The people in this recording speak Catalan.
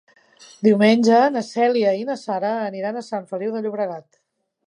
Diumenge na Cèlia i na Sara aniran a Sant Feliu de Llobregat.